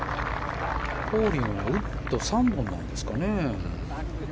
コーリーはウッド３本なんですかね。